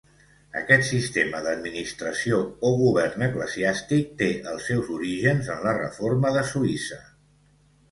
Aquest sistema d'administració o govern eclesiàstic té els seus orígens en la Reforma de Suïssa.